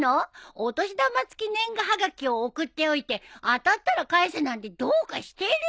お年玉付年賀はがきを送っておいて当たったら返せなんてどうかしてるよ！